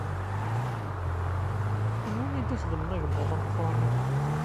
Anwa i d-ixedmen agmuḍ ameqran akk?